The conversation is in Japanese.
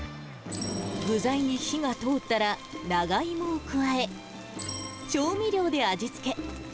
具材に火が通ったら、長芋を加え、調味料で味付け。